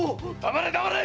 黙れ黙れ！